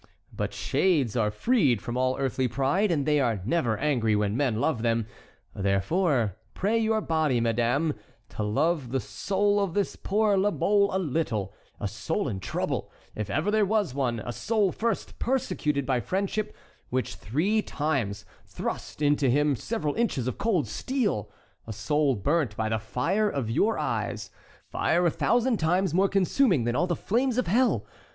But shades are freed from all earthly pride and they are never angry when men love them. Therefore, pray your body, madame, to love the soul of this poor La Mole a little—a soul in trouble, if ever there was one; a soul first persecuted by friendship, which three times thrust into him several inches of cold steel; a soul burnt by the fire of your eyes—fire a thousand times more consuming than all the flames of hell.